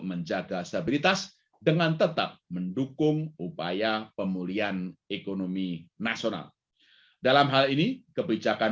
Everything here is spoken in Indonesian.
menjaga stabilitas dengan tetap mendukung upaya pemulihan ekonomi nasional dalam hal ini kebijakan